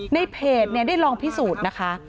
ในเพจได้ลองพิสูจน์นะคะ